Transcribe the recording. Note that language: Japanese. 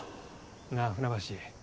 なあ船橋